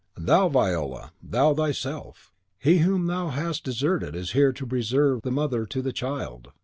"Thou Viola! thou, thyself. He whom thou hast deserted is here to preserve the mother to the child!"